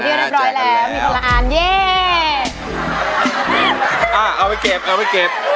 แจกที่เรียนเรียบร้อยแล้วมีคนละอันเอาไว้เก็บเอาไว้เก็บ